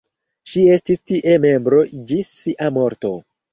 Ŝi estis tie membro ĝis sia morto.